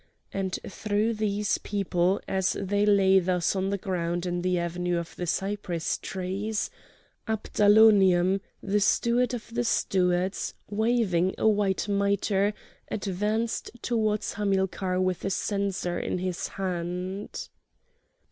And through these people as they lay thus on the ground in the avenue of cypress trees, Abdalonim, the Steward of the stewards, waving a white miter, advanced towards Hamilcar with a censer in his hand.